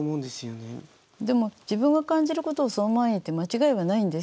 でも自分が感じることをそのまま言って間違いはないんです。